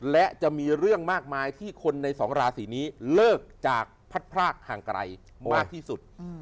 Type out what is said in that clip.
และจะมีเรื่องมากมายที่คนในสองราศีนี้เลิกจากพัดพรากห่างไกลมากที่สุด